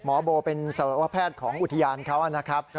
โบเป็นสวแพทย์ของอุทยานเขานะครับ